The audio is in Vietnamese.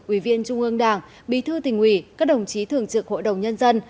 ủy viên trung ương đảng bí thư tỉnh ủy các đồng chí thường trực hội đồng nhân dân